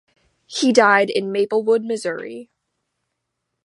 He died in Maplewood, Missouri.